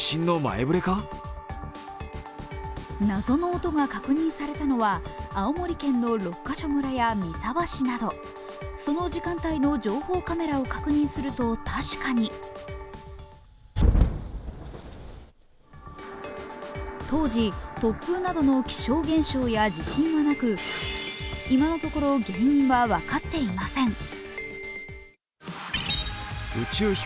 謎の音が確認されたのは青森県の六ヶ所村や三沢市など、その時間帯の情報カメラを確認すると確かに当時、突風などの気象現象や地震はなく、今のところ、原因は分かっていません。